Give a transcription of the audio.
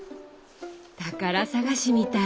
宝探しみたい。